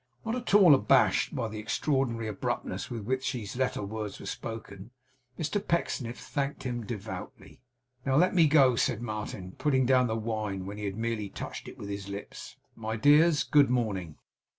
Not at all abashed by the extraordinary abruptness with which these latter words were spoken, Mr Pecksniff thanked him devoutly. 'Now let me go,' said Martin, putting down the wine when he had merely touched it with his lips. 'My dears, good morning!